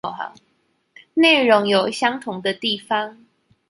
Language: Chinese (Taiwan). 內容有相同的地方